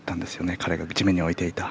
彼が地面に置いていた。